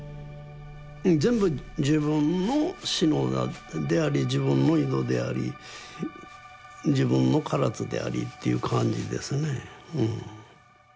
全部自分の志野であり自分の井戸であり自分の唐津でありっていう感じですね。